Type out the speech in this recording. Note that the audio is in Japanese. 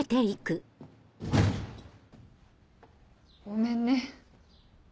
ごめんね。